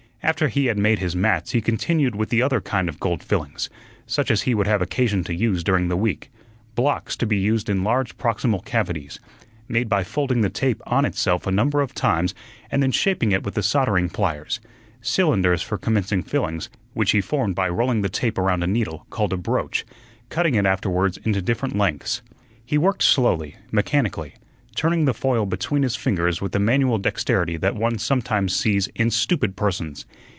After he had made his "mats" he continued with the other kind of gold fillings, such as he would have occasion to use during the week; "blocks" to be used in large proximal cavities, made by folding the tape on itself a number of times and then shaping it with the soldering pliers; "cylinders" for commencing fillings, which he formed by rolling the tape around a needle called a "broach," cutting it afterwards into different lengths. He worked slowly, mechanically, turning the foil between his fingers with the manual dexterity that one sometimes sees in stupid persons.